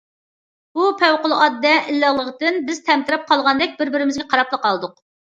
بۇ پەۋقۇلئاددە ئىللىقلىقتىن بىز تەمتىرەپ قالغاندەك بىر- بىرىمىزگە قاراپلا قالدۇق.